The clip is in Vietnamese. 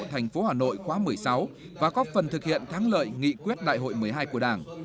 thành phố hà nội khóa một mươi sáu và góp phần thực hiện thắng lợi nghị quyết đại hội một mươi hai của đảng